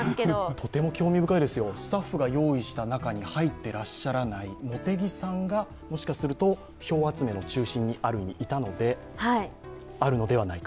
とても興味深いですよ、スタッフが用意した中に入っていらっしゃらない茂木さんがもしかすると票集めの中心に、ある意味いたのであるのではないか。